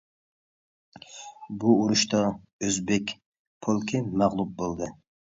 بۇ ئۇرۇشتا ئۆزبېك پولكى مەغلۇپ بولدى.